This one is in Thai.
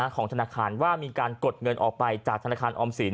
ของธนาคารว่ามีการกดเงินออกไปจากธนาคารออมสิน